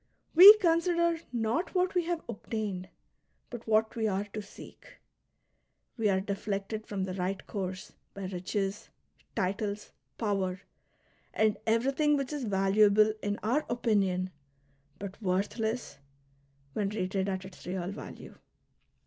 We consider not what we have obtained, but what we are to seek. We are deflected from the right course by riches, titles, power, and everything which is valuable in our opinion but worthless when rated at its real value.